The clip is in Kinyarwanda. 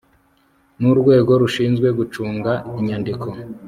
n urwego rushinzwe gucunga inyandiko